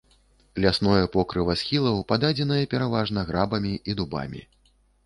Лясное покрыва схілаў пададзенае пераважна грабамі і дубамі.